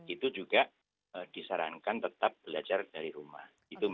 itu juga disarankan tetap belajar dari rumah